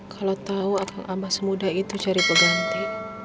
kalau tau akang abah semudah itu cari pengganti